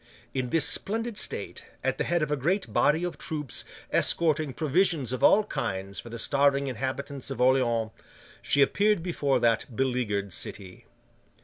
In this splendid state, at the head of a great body of troops escorting provisions of all kinds for the starving inhabitants of Orleans, she appeared before that beleaguered city.